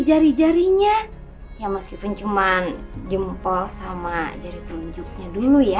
jari jarinya ya meskipun cuman jempol sama jari telunjuknya dulu ya